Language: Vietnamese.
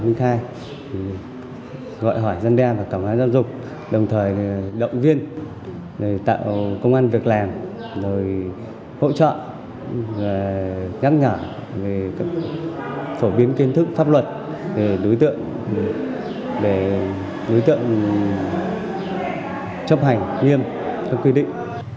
chúng tôi đã gọi hỏi dân đa và cảng hóa giáo dục đồng thời động viên tạo công an việc làm hỗ trợ nhắc nhở về phổ biến kiến thức pháp luật đối tượng chấp hành nghiêm các quy định